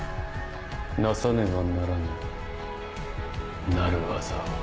なさねば成らぬ成るわざを。